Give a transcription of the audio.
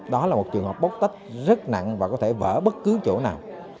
đó là một trường hợp bóc tách rất nặng và có thể vỡ bất cứ chỗ nào